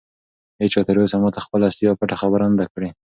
هیچا تر اوسه ماته خپله اصلي او پټه خبره نه ده کړې.